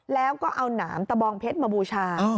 แล้วก็เอาน้ำตะบองเพ็จมาบูชา